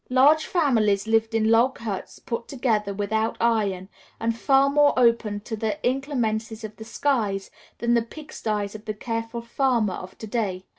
Large families lived in log huts, put together without iron, and far more open to the inclemencies of the skies than the pig styes of the careful farmer of to day.